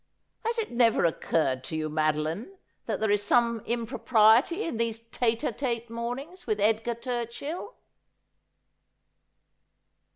'Has it never occurred to you, Madoline, that there is some impropriety in these tete a tete mornings with Edgar Turchill